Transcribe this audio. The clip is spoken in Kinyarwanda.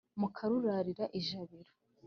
Mukarurarira ijabiro.